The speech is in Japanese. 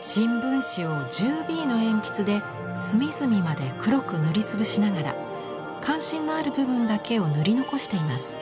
新聞紙を１０Ｂの鉛筆で隅々まで黒く塗り潰しながら関心のある部分だけを塗り残しています。